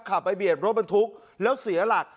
ขับไปเบียดรถบรรทุกแล้วเสียหลัก